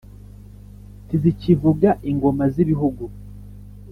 ntizikivuga ingoma z'ibihugu